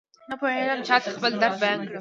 نپوهېږم چاته خپل درد بيان کړم.